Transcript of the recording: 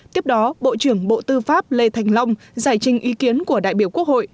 tiếp đó bộ trưởng bộ tư pháp lê thành long giải trình ý kiến của đại biểu quốc hội